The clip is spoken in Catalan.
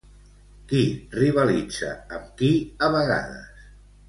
Qui rivalitza amb qui, a vegades?